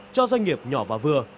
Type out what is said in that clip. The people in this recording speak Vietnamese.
cho doanh nghiệp nhỏ và vừa